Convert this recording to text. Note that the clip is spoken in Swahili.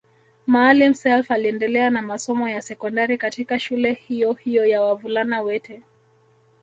Maalim Self aliendelea na masomo ya sekondari katika shule hiyo hiyo ya wavulana wete